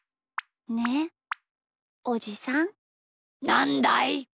なんだい？